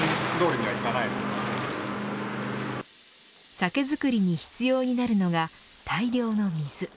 酒造りに必要になるのが大量の水。